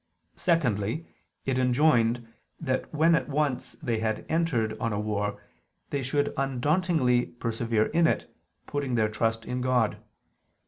Secondly, it enjoined that when once they had entered on a war they should undauntedly persevere in it, putting their trust in God.